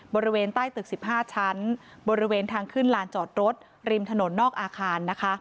บริเวณใต้ตึก๑๕ชั้นบริเวณทางขึ้นลานจอดรถริมถนนนอกอาคารนะคะ